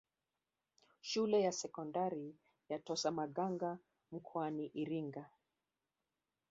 Shule ya sekondari ya Tosamaganga mkoani Iringa